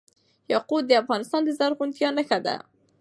یاقوت د افغانستان د زرغونتیا نښه ده.